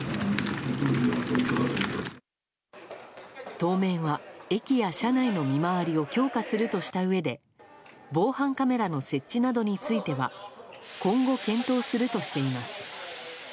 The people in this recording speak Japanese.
当面は、駅や車内の見回りを強化するとしたうえで防犯カメラの設置などについては今後検討するとしています。